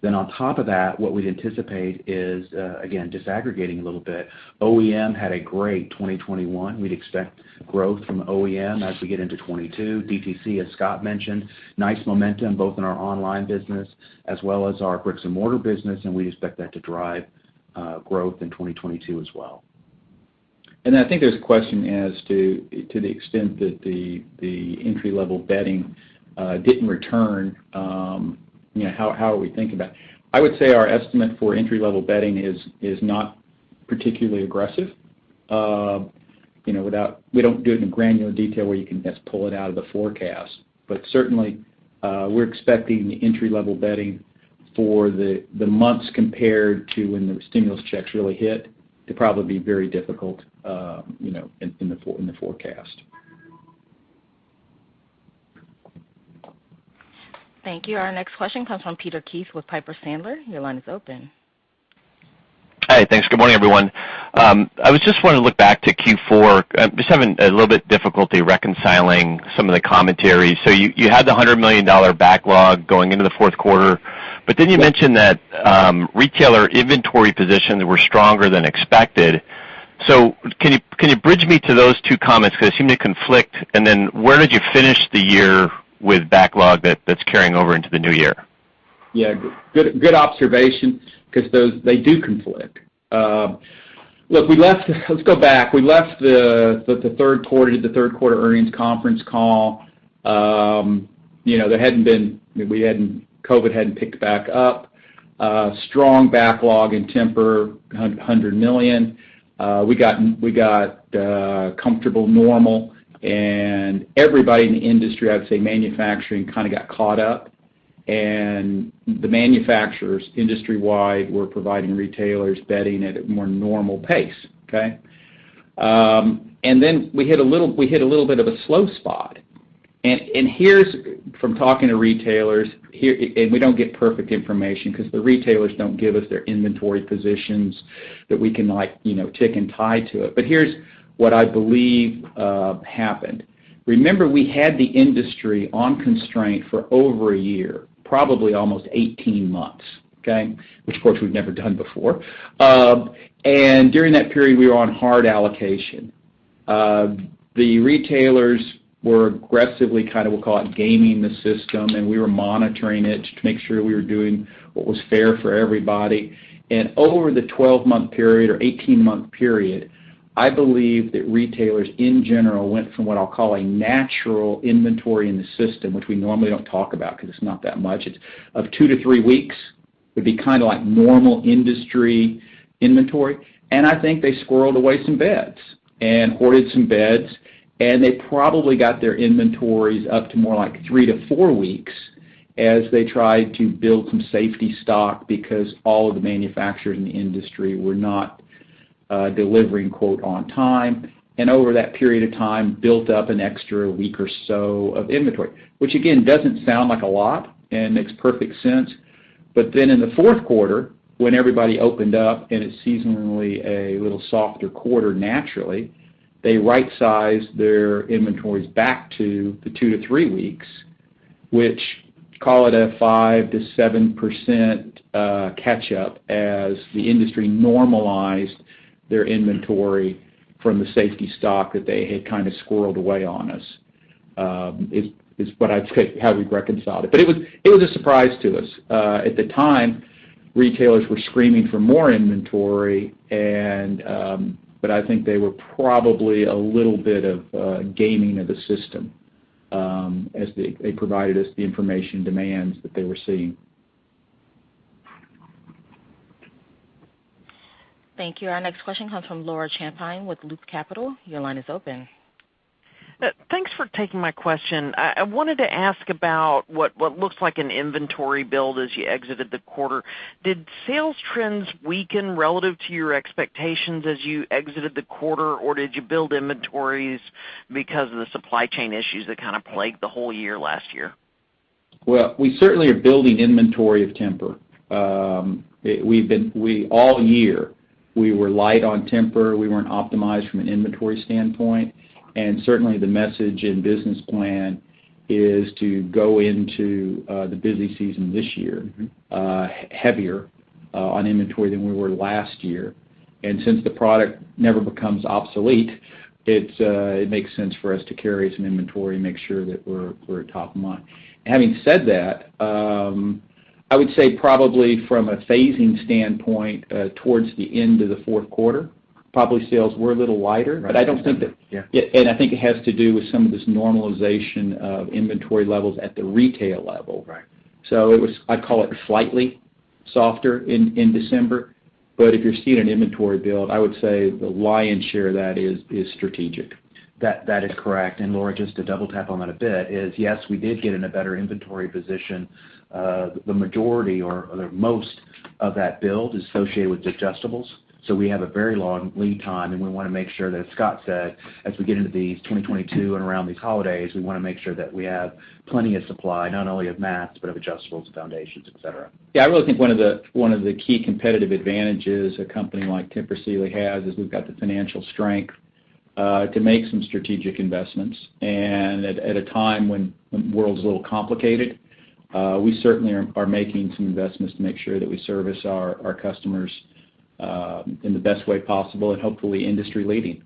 On top of that, what we'd anticipate is, again, disaggregating a little bit, OEM had a great 2021. We'd expect growth from OEM as we get into 2022. DTC, as Scott mentioned, nice momentum both in our online business as well as our bricks and mortar business, and we expect that to drive growth in 2022 as well. I think there's a question as to the extent that the entry-level bedding didn't return, you know, how are we thinking about it? I would say our estimate for entry-level bedding is not particularly aggressive. You know, we don't do it in a granular detail where you can just pull it out of the forecast. But certainly, we're expecting the entry-level bedding for the months compared to when the stimulus checks really hit to probably be very difficult, you know, in the forecast. Thank you. Our next question comes from Peter Keith with Piper Sandler. Your line is open. Hi. Thanks. Good morning, everyone. I was just wanna look back to Q4. I'm just having a little bit difficulty reconciling some of the commentary. You had the $100 million backlog going into the fourth quarter, but then you mentioned that retailer inventory positions were stronger than expected. So, can you bridge me to those two comments 'cause they seem to conflict? Where did you finish the year with backlog that's carrying over into the new year? Yeah. Good observation 'cause those, they do conflict. Look, we left. Let's go back. We left the third quarter earnings conference call. You know, COVID hadn't picked back up. Strong backlog in Tempur, $100 million. We got comfortable, normal, and everybody in the industry, I'd say manufacturing, kinda got caught up. The manufacturers industry-wide were providing retailers bedding at a more normal pace, okay? Then we hit a little bit of a slow spot. Here's, from talking to retailers, we don't get perfect information 'cause the retailers don't give us their inventory positions that we can, like, you know, tick and tie to it. But here's what I believe happened. Remember, we had the industry on constraint for over a year, probably almost 18 months, okay? Which, of course, we've never done before. During that period, we were on hard allocation. The retailers were aggressively kind of, we'll call it, gaming the system, and we were monitoring it to make sure we were doing what was fair for everybody. Over the 12-month period or 18-month period, I believe that retailers in general went from what I'll call a natural inventory in the system, which we normally don't talk about 'cause it's not that much. It's of two to three weeks. It'd be kinda like normal industry inventory. I think they squirreled away some beds and hoarded some beds. They probably got their inventories up to more like three to four weeks as they tried to build some safety stock because all of the manufacturers in the industry were not delivering, quote, "on time," and over that period of time, built up an extra week or so of inventory, which again, doesn't sound like a lot and makes perfect sense. Then in the fourth quarter, when everybody opened up and it's seasonally a little softer quarter naturally, they right-sized their inventories back to the two to three weeks, which call it a 5%-7% catch up as the industry normalized their inventory from the safety stock that they had kind of squirreled away on us, is what I'd say how we'd reconcile it. It was a surprise to us. At the time, retailers were screaming for more inventory, but I think they were probably a little bit of gaming of the system, as they provided us the information demands that they were seeing. Thank you. Our next question comes from Laura Champine with Loop Capital. Your line is open. Thanks for taking my question. I wanted to ask about what looks like an inventory build as you exited the quarter. Did sales trends weaken relative to your expectations as you exited the quarter, or did you build inventories because of the supply chain issues that kind of plagued the whole year last year? Well, we certainly are building inventory of Tempur. All year, we were light on Tempur. We weren't optimized from an inventory standpoint. Certainly, the message and business plan is to go into the busy season this year, heavier on inventory than we were last year. Since the product never becomes obsolete, it makes sense for us to carry some inventory and make sure that we're top of mind. Having said that, I would say probably from a phasing standpoint, towards the end of the fourth quarter, probably sales were a little lighter. Right. I don't think that. Yeah. I think it has to do with some of this normalization of inventory levels at the retail level. Right. It was, I'd call it, slightly softer in December. If you're seeing an inventory build, I would say the lion's share of that is strategic. That is correct. Laura, just to double tap on that a bit is, yes, we did get in a better inventory position. The majority or most of that build is associated with adjustables. We have a very long lead time, and we wanna make sure that, as Scott said, as we get into these 2022 and around these holidays, we wanna make sure that we have plenty of supply, not only of mats, but of adjustables, foundations, et cetera. Yeah, I really think one of the key competitive advantages a company like Tempur Sealy has is we've got the financial strength to make some strategic investments. At a time when the world's a little complicated, we certainly are making some investments to make sure that we service our customers in the best way possible and hopefully industry-leading.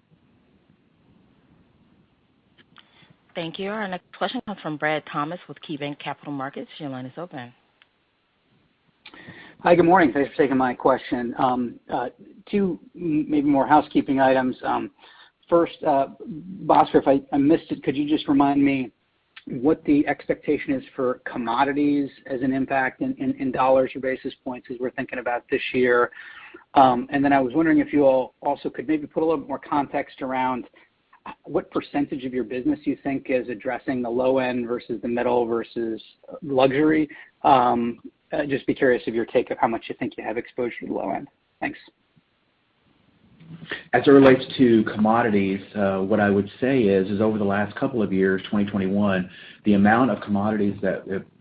Thank you. Our next question comes from Brad Thomas with KeyBanc Capital Markets. Your line is open. Hi, good morning. Thanks for taking my question. Two, maybe more, housekeeping items. First, Bhaskar, if I missed it, could you just remind me what the expectation is for commodities as an impact in dollars or basis points as we're thinking about this year? Then I was wondering if you all also could maybe put a little more context around what percentage of your business you think is addressing the low end versus the middle versus luxury. I'd just be curious of your take on how much you think you have exposure to the low end. Thanks. As it relates to commodities, what I would say is over the last couple of years, 2021, the amount of commodity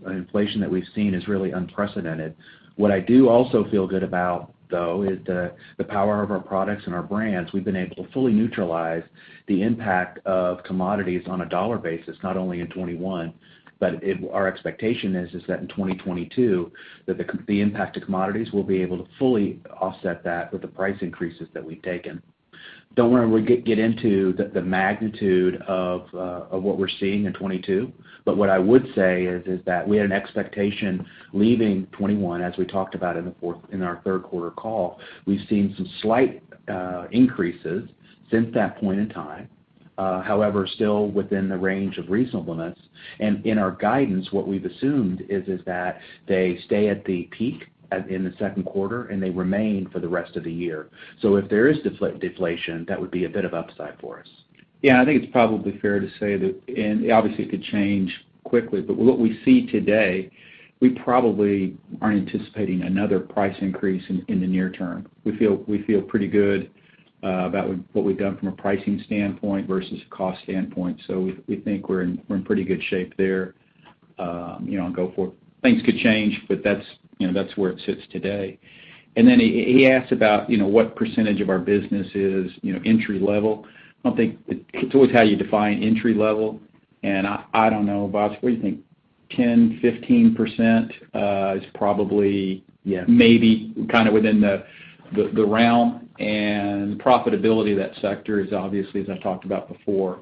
inflation that we've seen is really unprecedented. What I do also feel good about, though, is the power of our products and our brands. We've been able to fully neutralize the impact of commodities on a dollar basis, not only in 2021, but our expectation is that in 2022, the impact of commodities will be able to fully offset that with the price increases that we've taken. Don't wanna get into the magnitude of what we're seeing in 2022, but what I would say is that we had an expectation leaving 2021, as we talked about in our third quarter call. We've seen some slight increases since that point in time, however, still within the range of reasonableness. In our guidance, what we've assumed is that they stay at the peak in the second quarter, and they remain for the rest of the year. If there is deflation, that would be a bit of upside for us. Yeah, I think it's probably fair to say that, and obviously it could change quickly, but what we see today, we probably aren't anticipating another price increase in the near term. We feel pretty good about what we've done from a pricing standpoint versus a cost standpoint. So we think we're in pretty good shape there, you know, going forward. Things could change, but that's where it sits today. Then he asked about what percentage of our business is entry level. I don't think it's always how you define entry level. I don't know, Bhaskar, what do you think? 10%-15% is probably- Yeah Maybe kind of within the realm. Profitability of that sector is obviously, as I've talked about before,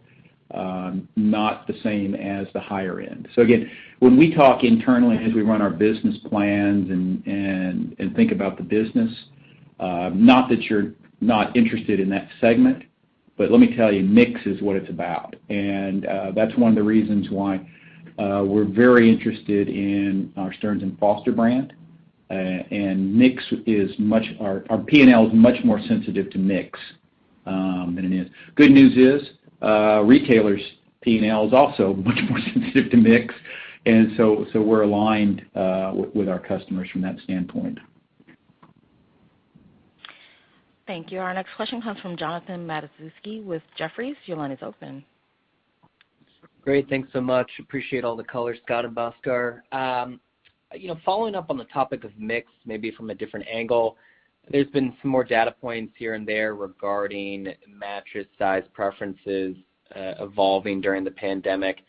not the same as the higher end. Again, when we talk internally as we run our business plans and think about the business, not that you're not interested in that segment, but let me tell you, mix is what it's about. That's one of the reasons why we're very interested in our Stearns & Foster brand. Our P&L is much more sensitive to mix than it is. Good news is, retailers' P&L is also much more sensitive to mix. We're aligned with our customers from that standpoint. Thank you. Our next question comes from Jonathan Matuszewski with Jefferies. Your line is open. Great. Thanks so much. Appreciate all the color, Scott and Bhaskar. You know, following up on the topic of mix, maybe from a different angle, there's been some more data points here and there regarding mattress size preferences evolving during the pandemic.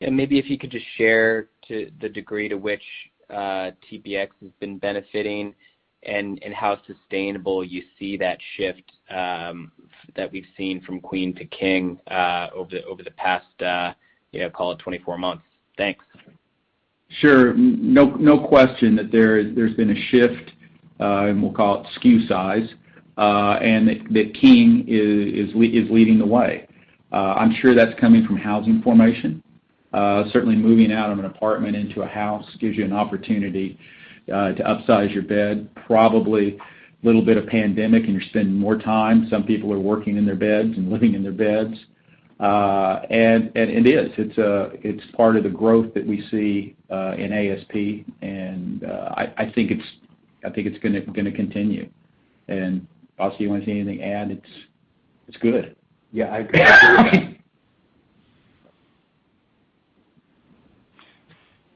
Maybe if you could just share to the degree to which TPX has been benefiting and how sustainable you see that shift that we've seen from queen to king over the past you know, call it 24 months. Thanks. Sure. No question that there's been a shift, and we'll call it SKU size, and that king is leading the way. I'm sure that's coming from housing formation. Certainly moving out of an apartment into a house gives you an opportunity to upsize your bed, probably a little bit of pandemic, and you're spending more time. Some people are working in their beds and living in their beds. It is. It's part of the growth that we see in ASP, and I think it's gonna continue. Bhaskar, you wanna say anything to add? It's good. Yeah, I agree with that.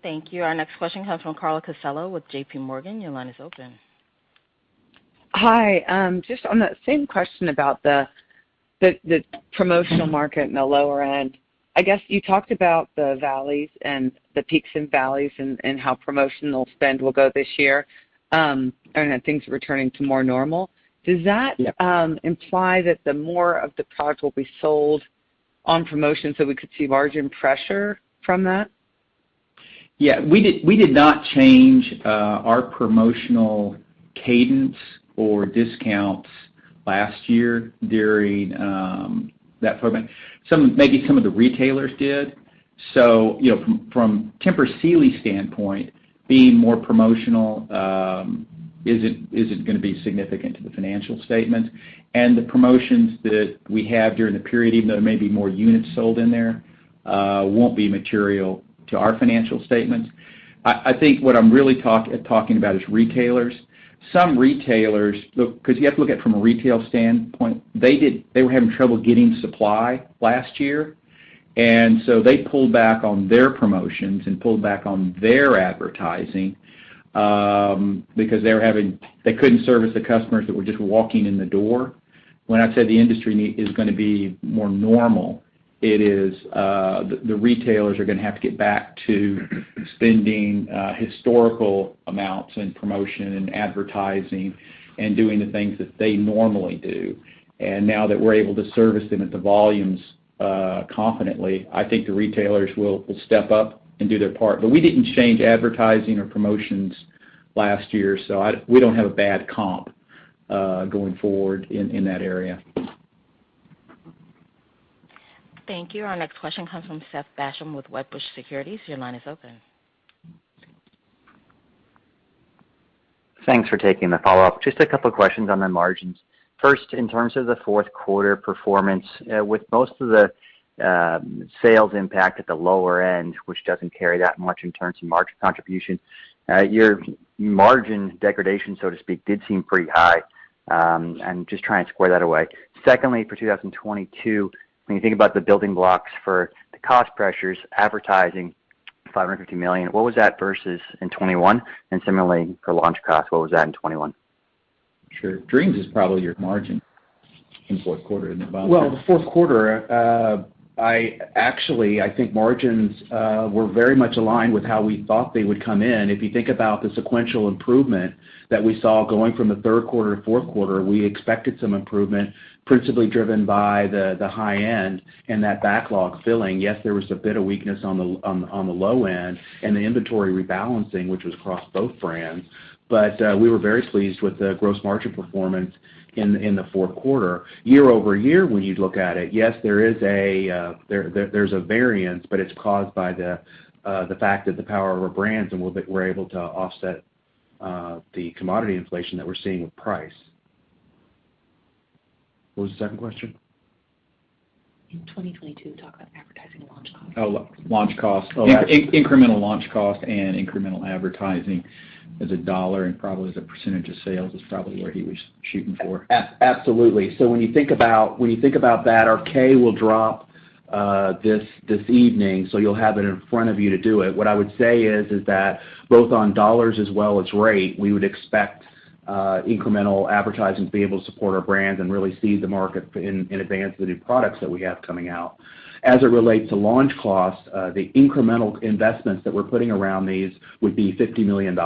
Thank you. Our next question comes from Carla Casella with JPMorgan. Your line is open. Hi. Just on that same question about the promotional market in the lower end. I guess you talked about the valleys and the peaks and valleys, and how promotional spend will go this year, and things returning to more normal. Does that Yeah. Imply that the more of the products will be sold on promotions, so we could see margin pressure from that? Yeah, we did not change our promotional cadence or discounts last year during that program. Some, maybe some of the retailers did. You know, from Tempur Sealy standpoint, being more promotional isn't gonna be significant to the financial statements. The promotions that we have during the period, even though there may be more units sold in there, won't be material to our financial statements. I think what I'm really talking about is retailers. Some retailers, look, 'cause you have to look at it from a retail standpoint. They were having trouble getting supply last year, and so they pulled back on their promotions and pulled back on their advertising, because they couldn't service the customers that were just walking in the door. When I say the industry need is gonna be more normal, it is, the retailers are gonna have to get back to spending historical amounts in promotion and advertising and doing the things that they normally do. Now that we're able to service them at the volumes confidently, I think the retailers will step up and do their part. We didn't change advertising or promotions last year, we don't have a bad comp going forward in that area. Thank you. Our next question comes from Seth Basham with Wedbush Securities. Your line is open. Thanks for taking the follow-up. Just a couple of questions on the margins. First, in terms of the fourth quarter performance, with most of the sales impact at the lower end, which doesn't carry that much in terms of margin contribution, your margin degradation, so to speak, did seem pretty high. I'm just trying to square that away. Secondly, for 2022, when you think about the building blocks for the cost pressures, advertising, $550 million, what was that versus in 2021? Similarly, for launch costs, what was that in 2021? Sure. Dreams is probably your margin in fourth quarter, isn't it, Scott? Well, the fourth quarter, I actually, I think margins were very much aligned with how we thought they would come in. If you think about the sequential improvement that we saw going from the third quarter to fourth quarter, we expected some improvement, principally driven by the high end and that backlog filling. Yes, there was a bit of weakness on the low end and the inventory rebalancing, which was across both brands. But we were very pleased with the gross margin performance in the fourth quarter. Year-over-year, when you look at it, yes, there is a variance, but it's caused by the fact that the power of our brands and we're able to offset the commodity inflation that we're seeing with price. What was the second question? In 2022, talk about advertising and launch costs. Oh, launch costs. Oh, incremental launch cost and incremental advertising as a dollar and probably as a percentage of sales is probably where he was shooting for. Absolutely. When you think about that, our 10-K will drop this evening, so you'll have it in front of you to do it. What I would say is that both on dollars as well as rate, we would expect incremental advertising to be able to support our brands and really see the market in advance the new products that we have coming out. As it relates to launch costs, the incremental investments that we're putting around these would be $50 million.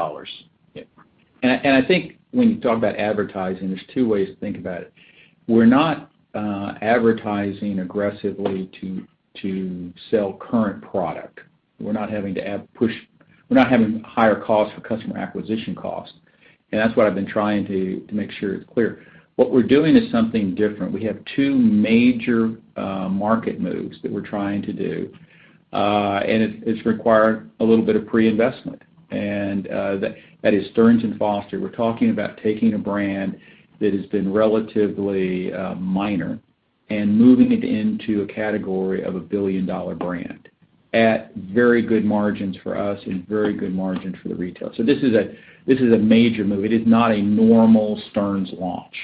Yeah. I think when you talk about advertising, there's two ways to think about it. We're not advertising aggressively to sell current product. We're not having higher costs for customer acquisition costs, and that's what I've been trying to make sure is clear. What we're doing is something different. We have two major market moves that we're trying to do, and it's required a little bit of pre-investment, and that is Stearns & Foster. We're talking about taking a brand that has been relatively minor and moving it into a category of a billion-dollar brand at very good margins for us and very good margins for the retail. This is a major move. It is not a normal Stearns launch.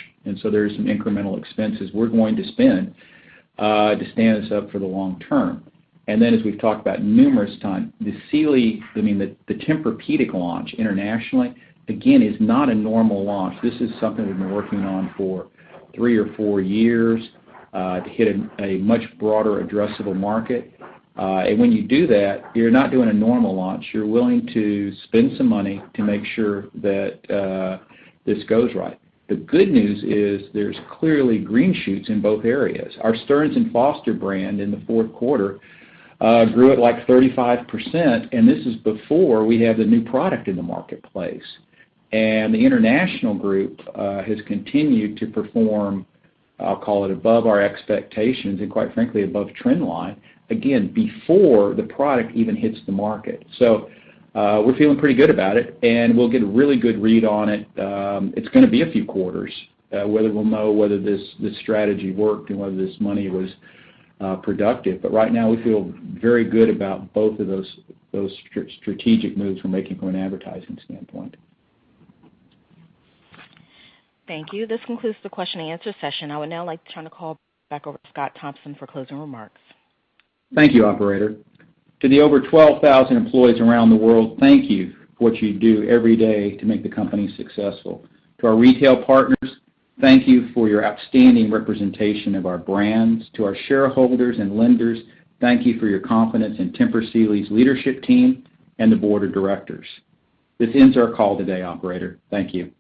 There's some incremental expenses we're going to spend to stand this up for the long term. As we've talked about numerous times, I mean the Tempur-Pedic launch internationally, again, is not a normal launch. This is something we've been working on for three or four years to hit a much broader addressable market. When you do that, you're not doing a normal launch. You're willing to spend some money to make sure that this goes right. The good news is there's clearly green shoots in both areas. Our Stearns & Foster brand in the fourth quarter grew at, like, 35%, and this is before we have the new product in the marketplace. The international group has continued to perform, I'll call it above our expectations and quite frankly above trend line, again, before the product even hits the market. We're feeling pretty good about it, and we'll get a really good read on it. It's gonna be a few quarters whether we'll know whether this strategy worked and whether this money was productive. Right now we feel very good about both of those strategic moves we're making from an advertising standpoint. Thank you. This concludes the question and answer session. I would now like to turn the call back over to Scott Thompson for closing remarks. Thank you, operator. To the over 12,000 employees around the world, thank you for what you do every day to make the company successful. To our retail partners, thank you for your outstanding representation of our brands. To our shareholders and lenders, thank you for your confidence in Tempur Sealy's leadership team and the Board of Directors. This ends our call today, operator. Thank you.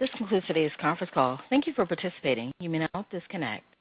This concludes today's conference call. Thank you for participating. You may now disconnect.